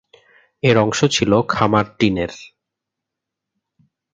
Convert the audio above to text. এর অংশ ছিল "খামার টিনের"।